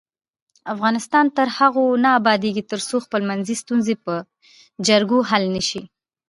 افغانستان تر هغو نه ابادیږي، ترڅو خپلمنځي ستونزې په جرګو حل نشي.